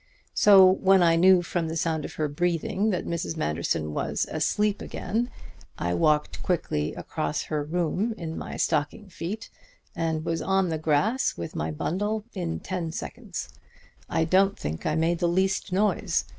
"So when I knew from the sound of her breathing that Mrs. Manderson was asleep again I walked quickly across her room in my stocking feet and was on the grass with my bundle in ten seconds. I don't think I made the least noise.